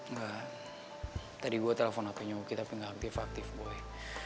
enggak tadi gue telpon hpnya wuki tapi gak aktif aktif boy